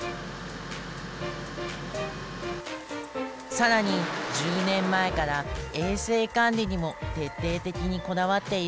更に１０年前から衛生管理にも徹底的にこだわっているんです。